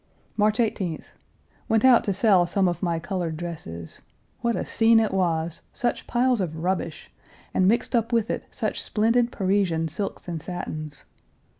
March 18th. Went out to sell some of my colored dresses. What a scene it was such piles of rubbish, and mixed up with it, such splendid Parisian silks and satins.